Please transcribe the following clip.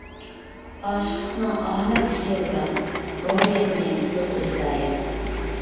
ئاشىقلىقنىڭ ئاھانەتلىك يولىدا، روھىيەتنى كۈلدۈرىدۇ ھىدايەت.